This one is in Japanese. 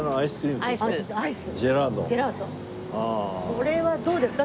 これはどうですか？